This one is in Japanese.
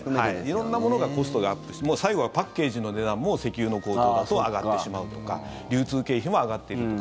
色んなものがコストがアップしてもう最後はパッケージの値段も石油の高騰だと上がってしまうとか流通経費も上がっているとか。